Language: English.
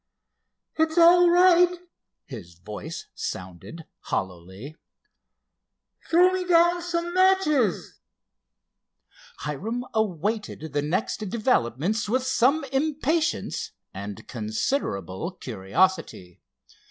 "It's all right," his voice sounded, hollowly. "Throw me down some matches." Hiram awaited the next developments with some impatience, and considerable curiosity.